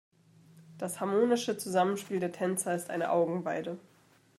Das harmonische Zusammenspiel der Tänzer ist eine Augenweide.